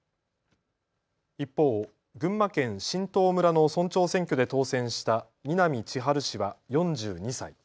一方、群馬県榛東村の村長選挙で当選した南千晴氏は４２歳。